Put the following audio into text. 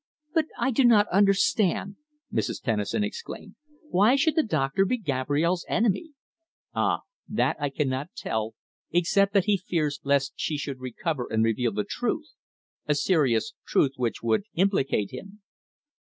"But I do not understand," Mrs. Tennison exclaimed. "Why should the doctor be Gabrielle's enemy?" "Ah! That I cannot tell except that he fears lest she should recover and reveal the truth a serious truth which would implicate him."